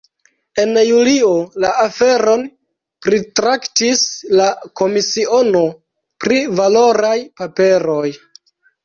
En julio la aferon pritraktis la komisiono pri valoraj paperoj.